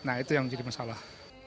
nah itu yang menjadi masalah